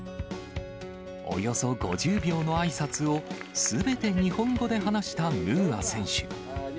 およそ５０秒のあいさつをすべて日本語で話したムーア選手。